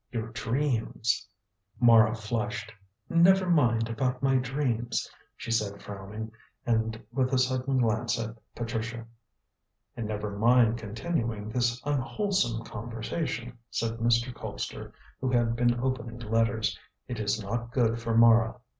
Your dreams " Mara flushed. "Never mind about my dreams," she said frowning, and with a sudden glance at Patricia. "And never mind continuing this unwholesome conversation," said Mr. Colpster, who had been opening letters, "it is not good for Mara.